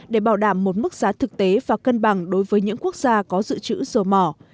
để bảo đảm một mức giá thực tế và cân bằng đối với những quốc gia có dự trữ dầu mỏ